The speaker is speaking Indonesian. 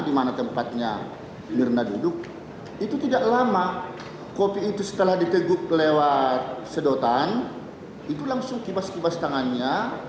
di mana tempatnya mirna duduk itu tidak lama kopi itu setelah diteguk lewat sedotan itu langsung kibas kibas tangannya